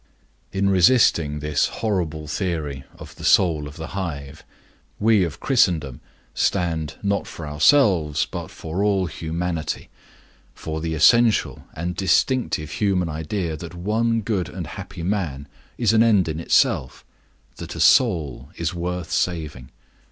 In resisting this horrible theory of the Soul of the Hive, we of Christendom stand not for ourselves, but for all humanity; for the essential and distinctive human idea that one good and happy man is an end in himself, that a soul is worth saving.